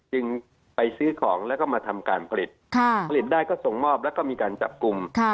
จึงไปซื้อของแล้วก็มาทำการผลิตผลิตได้ก็ส่งมอบแล้วก็มีการจับกลุ่ม